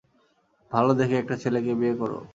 ভালো দেখে একটা ছেলেকে বিয়ে করা।